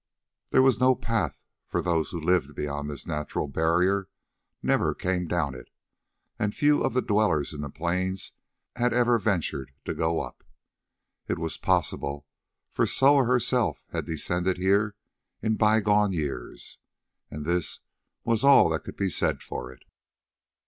There was no path, for those who lived beyond this natural barrier never came down it, and few of the dwellers in the plains had ever ventured to go up. It was possible, for Soa herself had descended here in bygone years, and this was all that could be said for it.